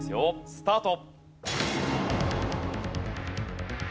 スタート。